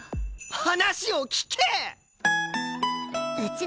話を聞け！